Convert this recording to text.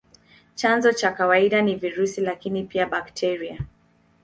Chanzo cha kawaida ni virusi, lakini pia bakteria.